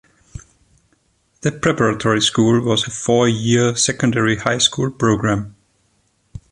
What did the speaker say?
The Preparatory School was a four year secondary high school program.